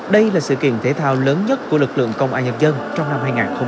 đây là sự kiện thể thao lớn nhất của lực lượng công an nhân dân trong năm hai nghìn hai mươi ba